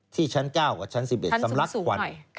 ที่ชั้น๙กับชั้น๑๑สำลักควัน